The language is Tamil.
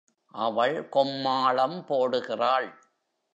அவள் கொம்மாளம் போடுகிறாள்.